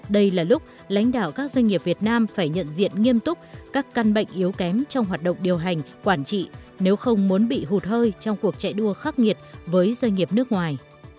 đây là lúc lãnh đạo các doanh nghiệp việt nam phải nhận diện nghiêm túc các căn bệnh yếu kém trong hoạt động điều hành quản trị nếu không muốn bị hụt hơi trong cuộc chạy đua khắc nghiệt với doanh nghiệp nước ngoài